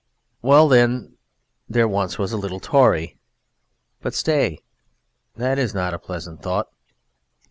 Well, then, there was once a little Tory. But stay; that is not a pleasant thought....